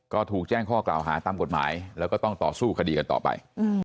ก็ถูกแจ้งข้อกล่าวหาตามกฎหมายแล้วก็ต้องต่อสู้คดีกันต่อไป